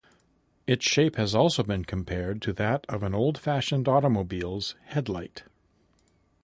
Its shape has also been compared to that of an old-fashioned automobile's headlight.